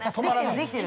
できてる？